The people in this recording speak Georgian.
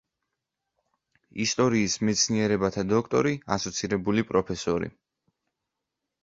ისტორიის მეცნიერებათა დოქტორი, ასოცირებული პროფესორი.